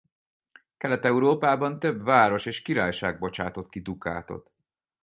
Kelet-Európában több város és királyság bocsátott ki dukátot.